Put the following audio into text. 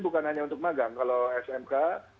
bukan hanya untuk magang kalau smk